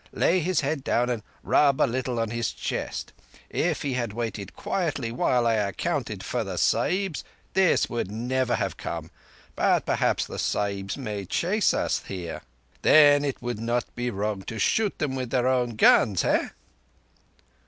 Lay his head down and rub a little on the chest. If he had waited quietly while I accounted for the Sahibs this would never have come. But perhaps the Sahibs may chase us here. Then it would not be wrong to shoot them with their own guns, heh?"